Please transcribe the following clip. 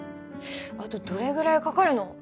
あとどれぐらいかかるの？